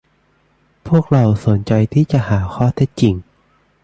พวกเราสนใจที่จะหาข้อเท็จจริง